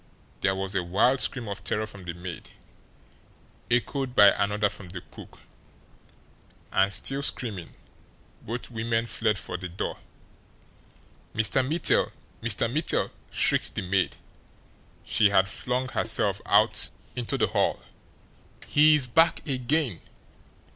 There was a wild scream of terror from the maid, echoed by another from the cook and, still screaming, both women fled for the door. "Mr. Mittel! Mr. Mittel!" shrieked the maid she had flung herself out into the hall. "He's he's back again!"